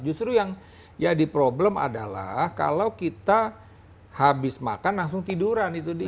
justru yang jadi problem adalah kalau kita habis makan langsung tiduran itu dia